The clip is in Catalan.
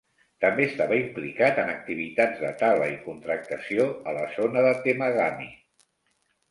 També estava implicat en activitats de tala i contractació a la zona de Temagami.